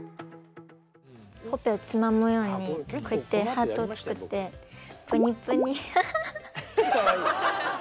ほっぺをつまむようにこうやってハートを作ってぷにぷにハハハ。